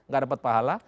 gak dapat pahala